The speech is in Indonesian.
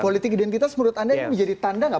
politik identitas menurut anda ini menjadi tanda nggak